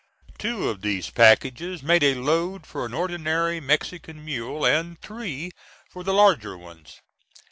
Two of these packages made a load for an ordinary Mexican mule, and three for the larger ones.